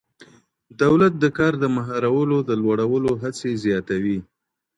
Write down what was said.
دولت د کار د مهارتونو د لوړولو هڅې زیاتوي.